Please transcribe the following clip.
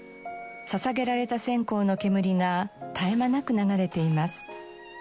捧げられた線香の煙が絶え間なく流れています。